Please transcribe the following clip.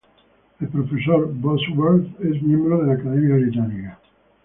El profesor Bosworth es miembro de la Academia Británica.